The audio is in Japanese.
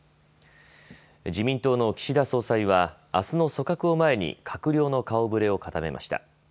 自民党の岸田総裁はあすの組閣を前に閣僚の顔ぶれを固めました。